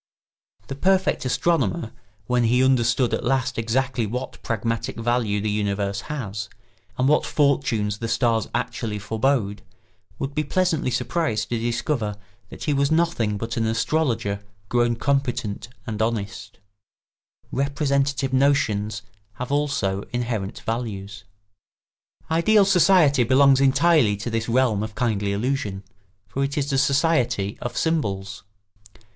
The perfect astronomer, when he understood at last exactly what pragmatic value the universe has, and what fortunes the stars actually forebode, would be pleasantly surprised to discover that he was nothing but an astrologer grown competent and honest. [Sidenote: Representative notions have also inherent values.] Ideal society belongs entirely to this realm of kindly illusion, for it is the society of symbols.